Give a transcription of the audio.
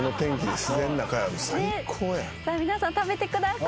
さあ皆さん食べてください。